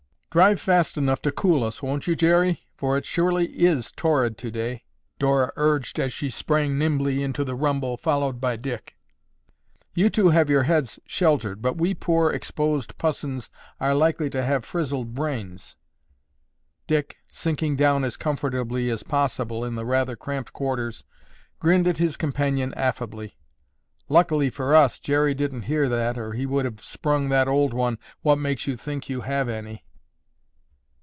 "Drive fast enough to cool us, won't you, Jerry, for it surely is torrid today," Dora urged as she sprang nimbly into the rumble followed by Dick. "You two have your heads sheltered but we poor exposed pussons are likely to have frizzled brains." Dick, sinking down as comfortably as possible in the rather cramped quarters, grinned at his companion affably. "Luckily for us Jerry didn't hear that or he would have sprung that old one, 'what makes you think you have any?